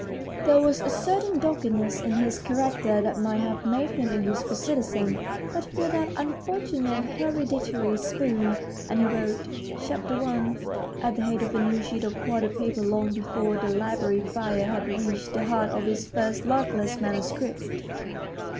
There was a certain doggedness in his character that might have made him a useful citizen but for that unfortunate hereditary THE STORY OF A BOOK 121 spoon, and he wrote " Chapter I. " at the head of a new sheet of quarto paper long before the library fire had reached the heart of his first luckless manuscript.